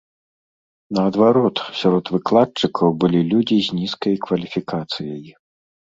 Наадварот, сярод выкладчыкаў былі людзі з нізкай кваліфікацыяй.